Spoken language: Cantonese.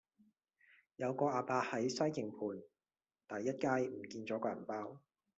有個亞伯喺西營盤第一街唔見左個銀包